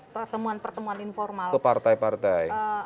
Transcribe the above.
pertemuan pertemuan informal partai partai